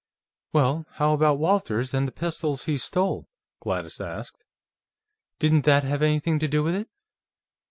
"Well, how about Walters, and the pistols he stole?" Gladys asked. "Didn't that have anything to do with it?"